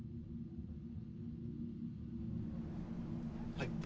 はい。